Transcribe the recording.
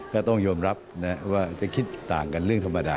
ก็ต้องยอมรับว่าจะคิดต่างกันเรื่องธรรมดา